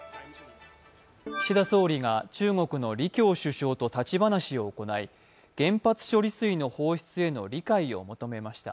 岸田総理が中国の李強首相と立ち話を行い原発処理水の放出への理解を求めました。